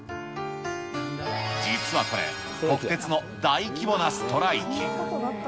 実はこれ、国鉄の大規模なストライキ。